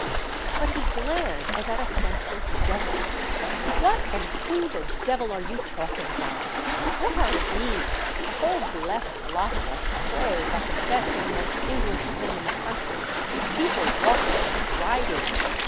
But he glared as at a senseless juggle. "What and who the devil are you talking about? What are 'we,' the whole blest lot of us, pray, but the best and most English thing in the country: people walking—and riding!